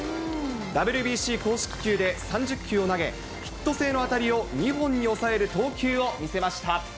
ＷＢＣ公式球で３０球を投げ、ヒット性の当たりを２本に抑える投球を見せました。